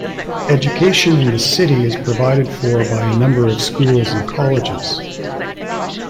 Education in the city is provided for by a number of schools and colleges.